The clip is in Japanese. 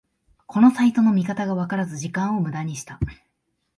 このサイトの見方がわからず時間をムダにした